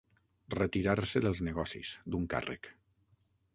Retirar-se dels negocis, d'un càrrec.